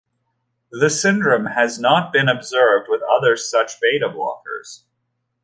This syndrome has not been observed with other such beta blockers.